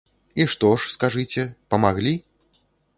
І што ж, скажыце, памаглі?